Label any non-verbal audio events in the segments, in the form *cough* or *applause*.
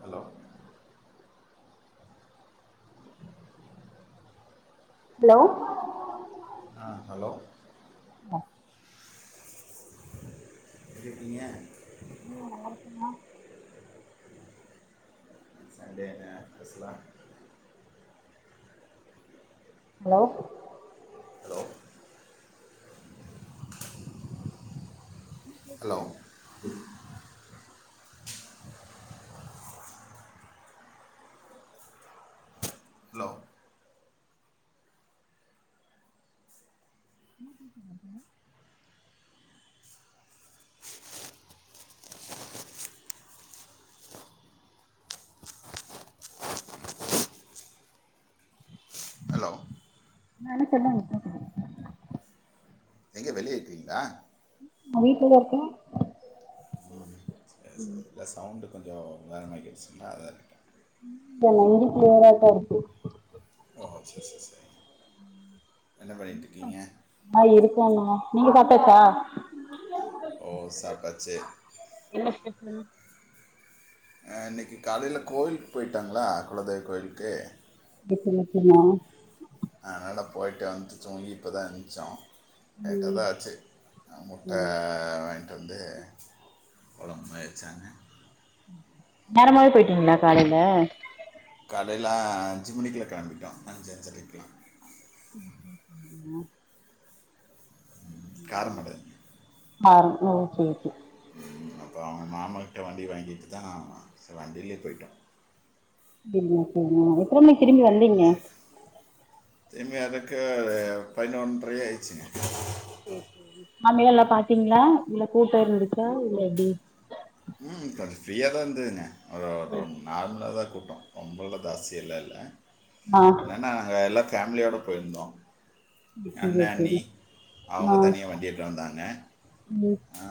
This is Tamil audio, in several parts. ஹலோ ஹலோ ஆ ஹலோ அ எப்டி இருக்கீங்க நல்லாருக்கீங்ளா *unintelligible* அஸ்லாம் hello hello hello hello *inaudible* hello என்னானு சொல்லுங் எங்க வெளிய இருக்றீங்ளா வீட்ல தா இருக்கே இல்ல சவுண்டு கொஞ்சோ உதரணமா கேட்டுச்சுங்களா அதா கேட்ட இப்ப நஞ்சு கிளியரா தா இருக்கு ஓ சேரி சேரி சேரி என்ன பண்ணிட்டுக்கீங்க ட்டண்ணுங்க நீங்க சாப்டாச்சா ஓ சாப்டாச்சி அ இன்னக்கி காலைல கோயிலுக்கு போயிட்டாங்களா குலதெய்வ கோயிலுக்கு மிகப்பெரிய *unintelligible* ஆ அதனால போய்ட்டு வந்துட்டு தூங்கி இப்பதா எந்ச்சோ லேட்டா ம் தா ஆச்சு அ முட்ட ம் வாங்கிட்டு வந்து கொழம்பு மேரி வச்சாங்க நேரமாவே பேய்ட்டீங்ளா காலைல காலைல அஞ்சு மணிக்லா களம்பிட்டோ அஞ்சு அஞ்சரைக்லா *unintelligible* காரமட மாறுங் ஓக்கே ஓக்கே ம் அப்ப அவங்க மாமாகிட்ட வண்டி வாங்கிட்டு தா சே வண்டிலேயே போய்ட்டோ *unintelligible* சேரிங்க எத்தன மணிக்கு திரும்பி வந்தீங்க திரும்பி வரதுக்கு பதினோன் பிரையாயிருச்சிங்க சேரி சேரி சாமிலா நல்லா பாத்தீங்களா இல்ல கூட்டோ இருந்துச்சா இல்ல எப்டி ம் *unintelligible* ஃப்ரீயா தா இருந்துதுங்க ஒரு ஒரு நார்மலா தா கூட்டோ ரொம்பல்லா தாஸ்தியெல்லா இல்ல ஆ னன்னா எல்லாத் ஃபேம்லியோட போயிருந்தோ அண்ண சேரி அண்ணி சேரி அவங்க ஆ தனியா வண்டி எட்டு வந்தாங்க ம் ஆ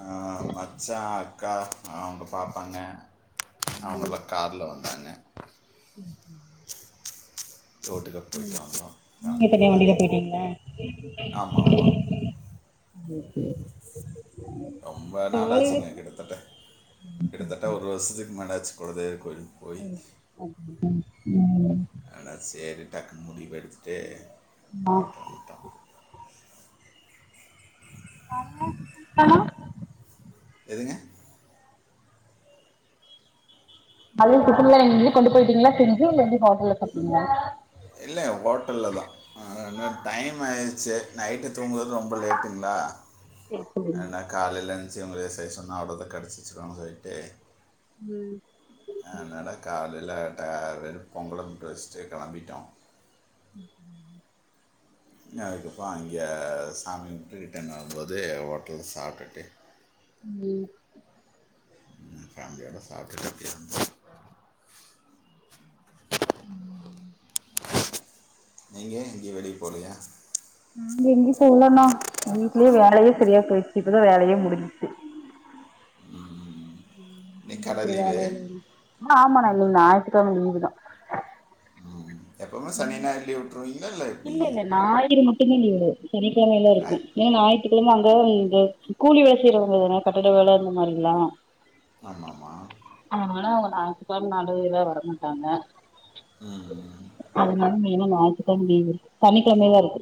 மச்சா அக் க்கா அவங்க பாப்பாங்க ம் அவங்கல்லா கார்ல வந்தாங்க ரோட்டுக போயிட்டு ம் வாந்தோ நீங்க தனியா ஃபேமிலியோட வண்டில போயிட்டீங்ளா ஆம்மாம்மா ம் ரொம்ப காலைல நாளாச்சுங்க கிட்டத்தட்ட கிட்டத்தட்ட ஒரு வருஷத்துக்கு மேலாச்சு குலதெய்வகோயில் ஆனால் சரி *inaudible* டக்குன்னு முடிவு எடுத்துட்டு ஆ போய்ட்டு வண்டோ *unintelligible* எதுங்க அது சிக்கன்லா நீங்க இங்கிருந்து கொண்டு போயிட்டீங்களா செஞ்சு இல்ல எப்டி ஹோட்டல்ல சாப்டீங்ளா இல்ல ஹோட்டல்லதா ஆனா டைம் ஆயிரு சேரி நைட்டுத் தூங்குவது ரொம்ப லேட்டுங்களா சேரி சேரிங்க ஏன்னா காலைலருந் இவுங்களே சைஸ் சொன்னா அவளதா கெடச்சிருசின்னு சொல்டு ஆ என்னடா காலேல ஆ வெறு பொங்கல மட்டு வச்சுட்டு கெளம்பிட்டோ ம் ம் ம் நா அதுக்கப்றோ அங்க சாமி கும்டுட்டு ரிட்டன் வரும்போது ஹோட்டல்ல சாப்டுட்டு ம் ம் ஃபேமிலியோட சாப்டுட்டு அப்டியே வந்தோ ம் ம் நீங்க எங்கயு வெளிய போலயா நாங்க எங்கயு போலண்ணா வீட்லயே வேலயே சரியா போயிடுச்சு இப்பதா வேலயே முடிஞ்ச்சு ம் ம் ம் வீட்ல இருக்ற வேலைல நீ ஆமா நா ம் ஞாயித்துக்கெழம லீவுதா எப்பவுமே சனி ஞாயிறு லீவு விட்டுருவீங்க இல்ல இல்ல ஞாயிறு மட்டுமே லீவு சனிக்கிழம எல்லா இருக்கு ஞாயிறு ஏன்னா ஞாயித் சனிக்கிழம அந்த இந்த கூலி வேல செய்றவங்க தான கட்டட வேல அந்த மாரில்லா ஆமாமா அப்றோ நடுவுல வரமாட்டாங்க ம் அது மாரி இனிம ஞாயித்துகெழம லீவு சனிக்கெழமதா இருக்கு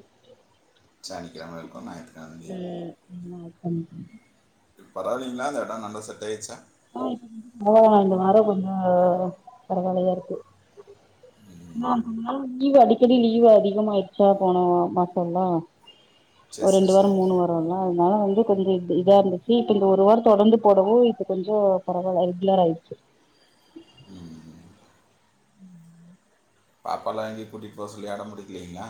சனிக்கிழமை இருக்கும் ஞாயிற்றுக்கிழமை ம் லீவு ம் ஆமா அதுக் வந்து இப்ப பரவாயில்லீங்களா அந்த எடோ நல்லா செட் ஆயிருச்சா ஆ இப் ஆ இந்த வாரோ கொஞ்சோ பரவாலையா இருக்கு நா ம் முன்னால வந் லீவு அடிக்கடி லீவு அதிகமாயிடுச்சா போன மாசந்தா சரி ஒரு ரெண்டு சரி வாரோ சரிங்க மூணு வாரல்லா அதனால வந்து கொஞ்சோ இது இதா இருந்துச்சு இப்ப இந்த ஒரு வாரோ தொடர்ந்து போடவு இப் கொஞ்சோ பரவால்ல ரெகுலர் ஆயிருச்சு பாப்ப எல்லா எங்கயு கூட்டிட்டு போக சொல்லி அடம் புடிக்கலீங்களா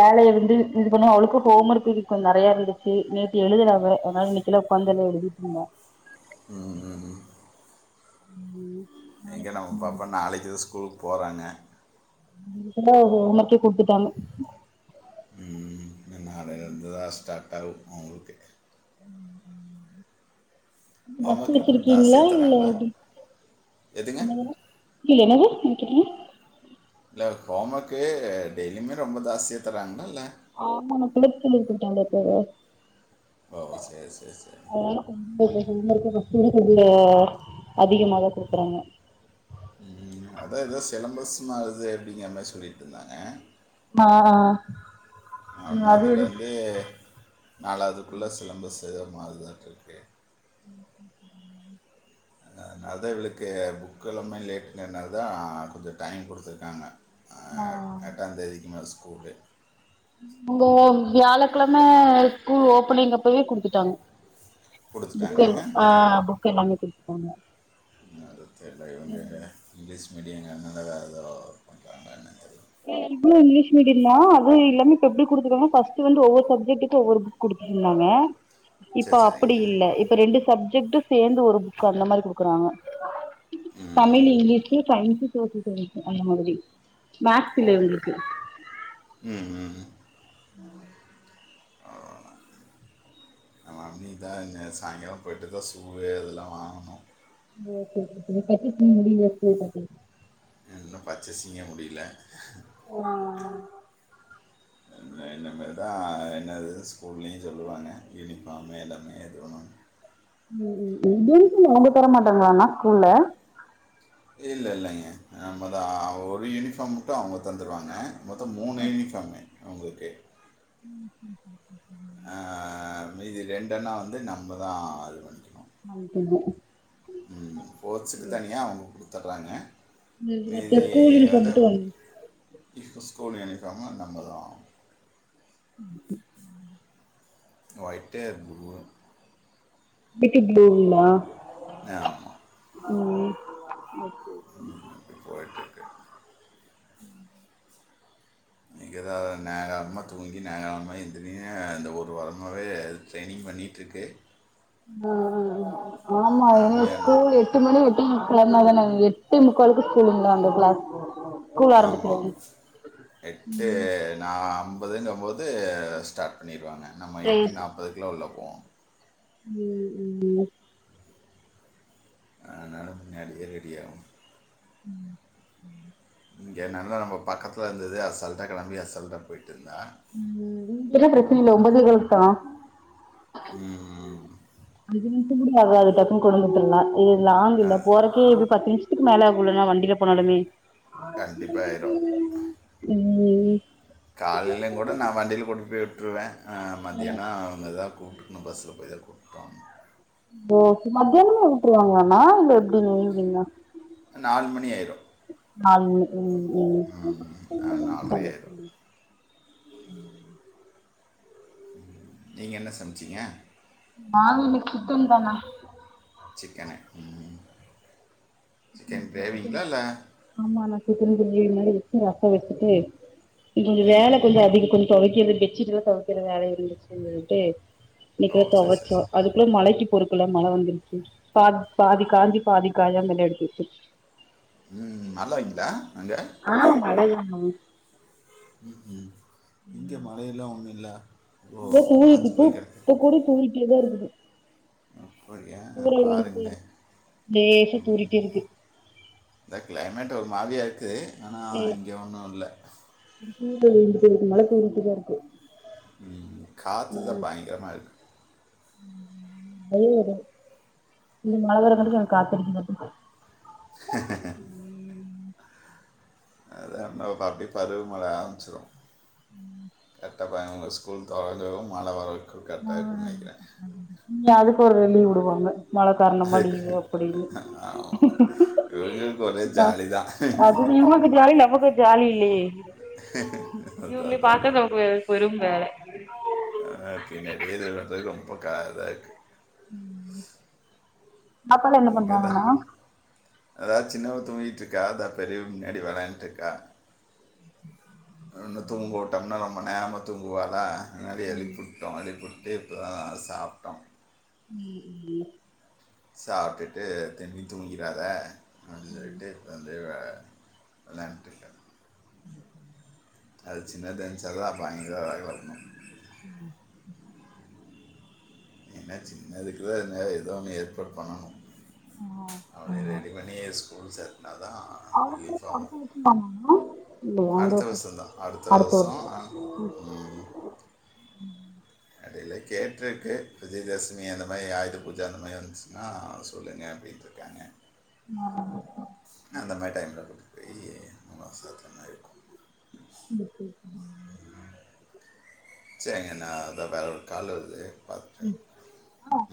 வேலய வந்து இது பண்ண அவளுக்கு ஹோம் ஒர்க் இது கொஞ்சோ நெறையா இருந்துச்சு நேற்று எழுதுல அவ அதனால இன்னைக்குல்ல உட்காந்தல்ல எழுதிட்டு இருந்தே உம் உம் உம் நம்ம பாப்பா நாளைக்குதா ஸ்கூல் போறாங்க இவங்களுக்குண்டா ஹோமொர்க்கே குடுத்துட்டாங்க ந நாளைல இருந்துதா ஸ்டாட் அவ் அவங்களுக்கு பஸ் ஹோம்ஒர்க்கில் அப்புறம் வச்சிருக்கீங்களா ஜாஸ்தியாக இல்ல தராங்களா எப்டி எதுங்க என்னங்கனா இல்ல என்னது என்ன கேட்டிங்க இல்ல ஹோமக்கு டெய்லிமே ரொம்ப தாஸ்தியா தராங்ளா இல்ல ஆமாண்ணா *unintelligible* அதனால ஓ சரி சரி சரி கொஞ்ச ஹோமோற்கு *unintelligible* அதிகமாதான் கொடுக்குறாங்க உம் அதான் ஏதோ சிலம்பஸ்னா அது அப்படிங்கற மாதிரி சொல்லிட்டு இருந்தாங்க ஆஹ்ஹ் ஆனா அதுலருந்து நாலாவதுக்குள்ள சிலம்பஸ் ச மாறுதான்ட்டு இருக்கு அதனால தான் இவளுக்கு புக் எல்லாமே லேட்டுங்கனால தான் கொஞ்சம் டைம் குடுத்துருக்காங்க ஆ எட்டாம் தேதிக்கு மே கூடு அங்க வியாழக்கிழமை ஸ்கூல் ஓபனிங் அப்பவே குடுத்துட்டாங்க புக் கொடுத்துட்டாங்க எல்லா ஆஹ் புக் எல்லாமே குடுத் ஆமா *unintelligible* இங்கீலீஸ் மீடியங்க என்னென்ன வேறு ஏதோ பண்ணுறாங்கணு தெரில இவ்ளு இங்லீஸ் மீடியம் தான் அது இல்லாம இப்ப எப்டி குடுத்துருக்காங்கனா பர்ஸ்ட்டு வந்து ஒவ்வரு சப்ஜெக்டக்கும் ஒவ்வொரு புக் குடுத்துருந்தாங்க இப்ப சரி அப்டி சரிங்க இல்ல இப்ப ரெண்டு சப்ஜெட்டும் சேர்ந்து ஒரு புக் அந்த மாதிரி குடுக்குறாங்க தமிழ் ம் இங்லிஸ் சைன்ஸ் சரி சரி அந்த மாதிரி மாக்ஸ் ஓ இல்ல இவங்களுக்கு ம் *inaudible* ம் இன்னிகிதா சாய்ங்காலம் போயிட்டுதான் சூவு இதெல்லாம் வாங்கணும *unintelligible* இன்னும் பர்ச்சேஸிங்கே முடியல உஹ் இனிமே தான் என்னது ஸ்கூல்லயும் சொல்லுவாங்க யூனிஃபார்ம் எல்லாமே இது பண்ணுவாங்க எதுமே அவஙக தர மாட்டாங்களாண்ணா ஸ்கூல்ல இல்லை இல்லைங்க நம்மதான் ஒரு யூனிஃபார்ம் மட்டு அவங்க தந்துடுவாங்க மொத்தோ மூணு யூனிஃபார்மு அவங்களுக்கு உம் உம் *inaudible* ஆ மீதி ரெண்டுன்னா வந்து நம்ம தான் அது பண்ணிக் *unintelligible* ம் போட்ஸுக்கு தனியா அவங்க கொடு தர்றாங்க *unintelligible* ஸ்கூல் யூனிஃபார்ம் மட்டும் வந்து இப்போ ஸ்கூல் யூனிபார்ம் நம்மதான் ம் *inaudible* *unintelligible* வித் ப்ளூங்ளா ஏமா ம் *inaudible* போயட்டுக்கு உம் மிகதாவது நேகாலமாக தூங்கி நேகாலமா *inaudible* என இந்த ஒரு வாரமாவே ட்ரெயினிங் பண்ணிட்டுருக்கு ம் ம் ஆமா ஏ அப்படியே ஸ்கூல் எட்டு மணி விட்டு கிளம்புனாதானே எட்டு முக்காளுகு ஸ்கூலுங்ளா அந்த கிளாஸ் ஸ்கூல் ஆமா ஆரம்பிச்சிரு எட்டே நா ப்பதுங்கம்போது ஸ்டார்ட் பண்ணிடுவாங்க நம்ம எட்டு ப்ரேயர்ஸ் நாப்பதுகுள்ள உள்ள போனும் ம் ம்ம் உ ஆனாலும் *unintelligible* ரெடியாகு *inaudible* இங்கேனன்னா நம்ப பக்கத்துல இருந்தது அசால்ட்டா கெளம்பி அசால்ட்டா போயிட்டு இருந்த ம் நீங்க என்ன பிரச்சனைலை *unintelligible* ம்ம் அஞ்சு நிமிஷம் கூட ஆகாது டக்குனு கொண்டுவந்துட்லாம். *unintelligible* ஆலில்ல அது போறக்கே எப்டி பத்து நிமிஷத்துக்கு *unintelligible* வண்டில போனாலுமே கண்டிப்பாக ஆயிரும் ம் ம் காலலையும் கூட நா வண்டில கொண்டு போய் விட்டுருவேன் மத்தியான அவுங்க தான் கூப்ட்டுக்கணும் பஸ்ல போய் தான் கூப்டும் ஓ மத்தியானம உட்டுருவாங்களாணா இல்ல எப்டி இவ்னிங்கா நாலு மணி ஆயிரும் ம், நாலு *unintelligible* நாலரை ஆயிரும் ம் நீங்க என்ன சமச்சீங்க நானும் இன்னைக்கு சிக்கன் தானா சிக்கனு உம் *unintelligible* ஆமாங் சிக்கன் கிரேவி மாரி வச்சுட்டு ரச வச்சுட்டு கொஞ்சம் வேல கொஞ்ச அதிக கொஞ் தொவைக்கிறது பெச்சிட் எலாம் தொவைக்கிறத வேல இருந்துச்சுன்ட்டு ஓ இன்னைக்கு சரி சரி தொவச்சோம் சரி. அதுக்குள்ள மழைக்கு போறதுக்குள்ள மழ வந்துருச்சு பாதி பாதி காஞ்சு பாதி காயாமலே எடுத் *inaudible* உம் நல்லா *unintelligible* அங்க ஆ மழ தாங்க உம் உம் இங்க மழயெல்லா ஒண்ணு ல்ல ஏதோ கூவிட்டு இருக்கு இப்ப கூட தூங்கிட் எதோ இருக்குது அப்படியா தூறல் வந்துட்டே பாருங்களேன் இருக்கு லேசா தூறிட்டே இருக்கு இந்த கிளைமேட் ஒரு மாரியா இருக்கு ஆனா இங்க ஒண்ணும் இல்ல தூத்தல் விழுகுது மழ தூறிட்டு தா இருக்கு உம் காத்துதா பயங்கரமா இருக்கு *unintelligible* இங்க மழ வரங்காட்டிக்கு அங்க காத்தடிக்குது அதா *unintelligible* அப்டி பருவ மழ ஆரம்பச்சுரும் உம் கரக்டா பாருங்க ஸ்கூல் தொறக்கவும் மழ வரவும் ஆ இனி அதுக்கு ஒரு லீவுடு வாங்க மழ காரணமா அதுக்கு லீவு அப்டின்னு ஆமாம் இவங்களுக்கு ஒரே ஜாலி தான் அ *unintelligible* ஜாலி இல்லையே அதான் இவங்கள அதான், பாக்க அதான் நமக்கு வேற பெரும் வேல பின்னாடி *unintelligible* ரொம்ப காதா இருக்கு உம் பாப்பல என்ன பண்றாங்கண்ணா அதா சின்னவ தூங்கிட்டு இருக்கா அதா பெரியவு முன்னாடி விளையாண்டு இருக்கா இன்னு தூங்குட்டோம்னா ரொம்ப நேரமா தூங்குவால அதா ம் எழிப்புட்டோ எழிப்புட் ப்பி இப்போதா சாப்ட்டோ *inaudible* சாப்டுட்டு திரும்பி தூங்கிறாத அப்டின்னு சொல்லிட்டு *unintelligible* நன்றிக்கா *inaudible* அது சின்னதா இருந்ச்சதா பயங்கர *unintelligible* வரணு ஆமா ஏன்னா சின்னதுக்குதா என்னா ஏதோ ஒன்னு ஏற்பாடு பண்ணணு. அவன ரெடி பண்ணி ஸ்கூல் சேத் *inaudible* அடுத்த வருஷந்தானா மேம் இல்லயா அடுத்த *unintelligible* வருஷம் தான் அடுத்த வருஷம் வருஷோ அதுல கேட்டுருக்கு விஜயதசமி அந்த மாரி ஆயுத பூஜா அந்த மாரி வந்துச்சுன்னா சொல்லுங்க அப்படின்ட்ருக்காங்க *inaudible* அந்த மாரி டைம்ல கூட்டு பெய் *unintelligible* *inaudible* சரிங்கண்ணா அதா வேற ஒரு கால் வருது பார்த்துட்டேன் ம் ஆஹ்